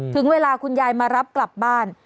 ถึงเวลาคุณยายมารับกลับบ้าน